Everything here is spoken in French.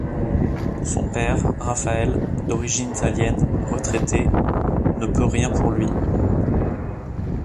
Son père, Raphaël, d’origine italienne, retraité, ne peut rien pour lui.